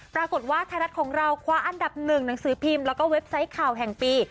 ปรากฏว่าไทยรัฐของเราคว้าอันดับหนึ่งหนังสือพิมพ์แล้วก็เว็บไซต์ข่าวแห่งปี